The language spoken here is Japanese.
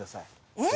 えっ？